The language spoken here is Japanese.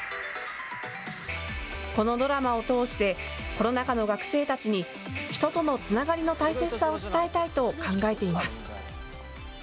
このドラマを通してコロナ禍の学生たちに人とのつながりの大切さを伝えたいと考えています。